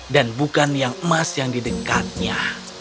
dan bukan yang emas yang di dekatnya